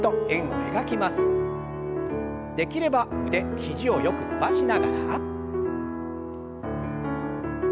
できれば腕肘をよく伸ばしながら。